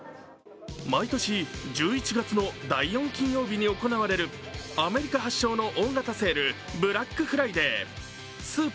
毎年１１月の第４金曜日に行われるアメリカ発祥の大型セールブラックフライデー。